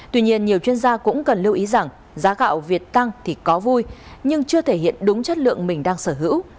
tuy nhiên nhiều chuyên gia cũng cần lưu ý rằng giá gạo việt tăng thì có vui nhưng chưa thể hiện đúng chất lượng mình đang sở hữu